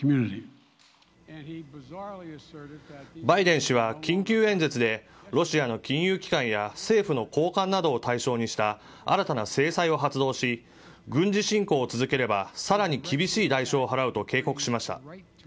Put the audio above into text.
バイデン氏は緊急演説で、ロシアの金融機関や政府の高官などを対象にした新たな制裁を発動し、軍事侵攻を続ければ、さらに厳しい代償を払うと警告しました。